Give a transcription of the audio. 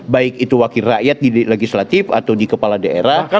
baik itu wakil rakyat di legislatif atau di kepala daerah